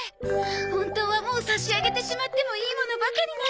本当はもう差し上げてしまってもいいものばかりなんですけど。